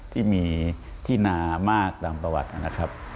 ที่มีที่นามากตามประวัตินะครับ